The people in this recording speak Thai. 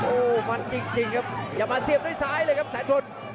โอ้โหมันจริงครับอย่ามาเสียบด้วยซ้ายเลยครับแสนทน